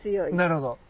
なるほど。